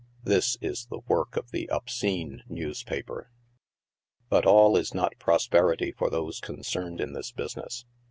This is the work of the obscene newspaper. But all is not prosperity for those concerned in this business.